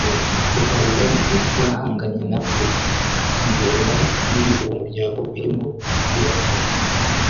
u Rwanda rwahanganye nabyo mu gihe rumaze muri uwo muryango birimo iterabwoba